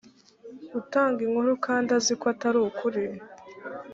utanga inkuru kandi azi ko atari ukuri